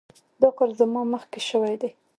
دا کار زما مخکې شوی دی.